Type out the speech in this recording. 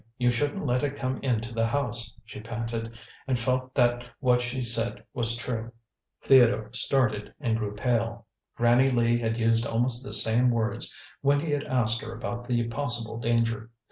You shouldn't let it come into the house," she panted, and felt that what she said was true. Theodore started and grew pale. Granny Lee had used almost the same words when he had asked her about the possible danger.